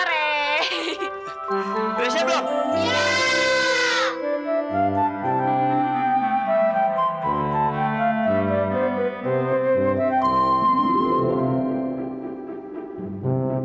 penanger dia zeniknya kita nampak juga ini ya usahiyoy